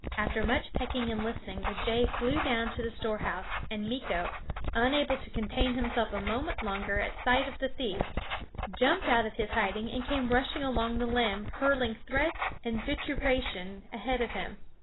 After much pecking and listening the jay flew down to the storehouse, and Meeko, unable to contain himself a moment longer at sight of the thief, jumped out of his hiding and came rushing along the limb, hurling threats and vituperation ahead of him.